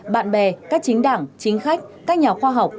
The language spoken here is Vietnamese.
bạn bè các chính đảng chính khách các nhà khoa học